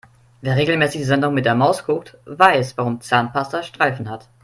Wer regelmäßig die Sendung mit der Maus guckt, weiß warum Zahnpasta Streifen hat.